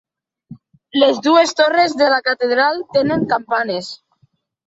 Les dues torres de la Catedral tenen campanes.